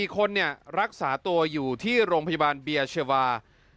๔คนรักษาตัวอยู่ที่โรงพยาบาลเบียเชวา